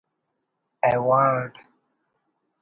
ایوارڈ